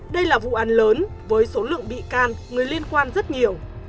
đây là vụ án lớn với số lượng bị can người liên quan rất nhiều